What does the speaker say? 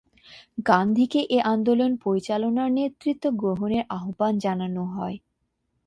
গান্ধীকে এ আন্দোলন পরিচালনার নেতৃত্ব গ্রহণের আহবান জানানো হয়।